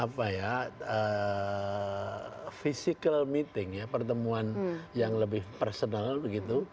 physical meeting pertemuan yang lebih personal begitu